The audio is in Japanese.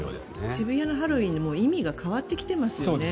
渋谷のハロウィーンの意味が変わってきてますよね。